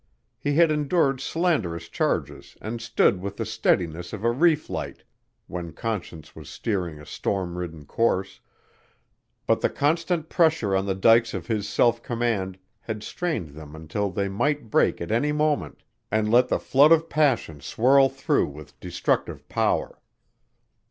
He had endured slanderous charges and stood with the steadiness of a reef light when Conscience was steering a storm ridden course, but the constant pressure on the dykes of his self command had strained them until they might break at any moment and let the flood of passion swirl through with destructive power.